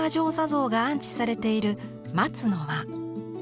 坐像が安置されている松の間。